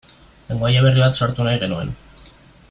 Lengoaia berri bat sortu nahi genuen.